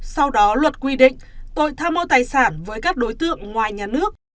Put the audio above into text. sau đó luật quy định tội tham mô tài sản với các đối tượng ngoài nhà nước